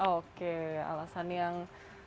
oke alasan yang